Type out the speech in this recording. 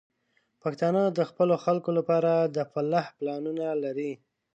پښتانه د خپلو خلکو لپاره د فلاح پلانونه لري.